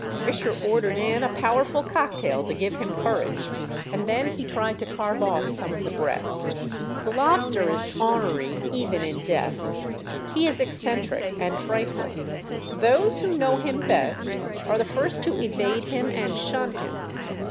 Visscher ordered in a powerful cocktail to give him courage, and then he tried to carve off some of the breast. The lobster is honery even in death. He is eccentric and trifling. Those who know him best are the first to evade him and shun him.